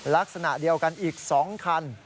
ลักษณะเดียวกันอีก๒คัน